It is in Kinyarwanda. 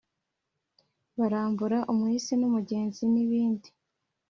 barambura umuhisi n’umugenzi n’ibindi